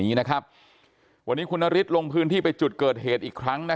วันนี้คุณนฤทธิ์ลงพื้นที่ไปจุดเกิดเหตุอีกครั้งนะ